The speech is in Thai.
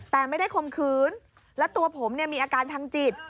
แต่ไม่ได้คมขืนแล้วตัวผมมีอาการทางจิต